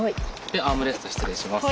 ではアームレスト失礼します。